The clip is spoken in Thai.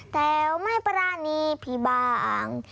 แต้วไม่ประณีพี่บ้าง